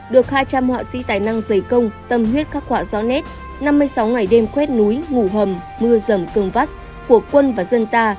được hai trăm linh họa sĩ tài năng dày công tâm huyết khắc họa rõ nét năm mươi sáu ngày đêm khuét núi ngủ hầm mưa rầm cường vắt của quân và dân ta